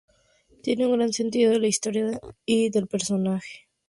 Tiene un gran sentido de la historia y del personaje".